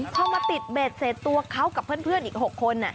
พอมาติดเบ็ดเสร็จตัวเขากับเพื่อนอีก๖คน